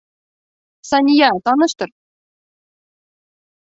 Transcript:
Сания, таныштыр.